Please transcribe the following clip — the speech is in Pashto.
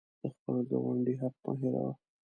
د خپل ګاونډي حق مه هیروه.